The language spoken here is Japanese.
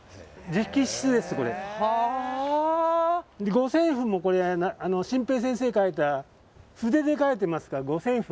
五線譜も晋平先生が書いた筆で書いてますから、五線譜。